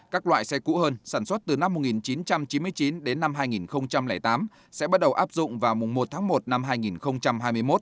các loại xe cũ hơn sản xuất từ năm một nghìn chín trăm chín mươi chín đến năm hai nghìn tám sẽ bắt đầu áp dụng vào mùng một tháng một năm hai nghìn hai mươi một